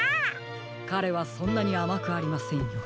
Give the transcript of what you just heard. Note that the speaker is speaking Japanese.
かれはそんなにあまくありませんよ。